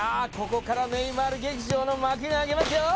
ここからネイマール劇場の幕が開けますよ